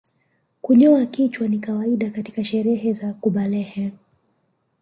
Kunyoa kichwa ni kawaida katika sherehe za kubalehe